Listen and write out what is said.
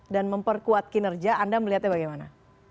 dan memperkuat kinerja anda melihatnya bagaimana